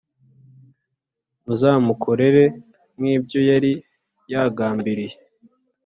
muzamukorere nk ibyo yari yagambiriye.